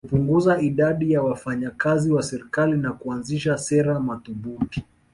Kupunguza idadi ya wafanyi kazi wa serikali na kuanzisha sera madhubuti